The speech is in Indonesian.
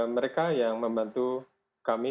mereka yang membantu kami